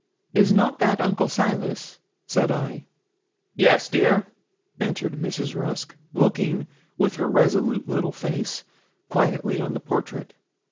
'Is not that Uncle Silas?' said I. 'Yes, dear,' answered Mrs. Rusk, looking, with her resolute little face, quietly on the portrait.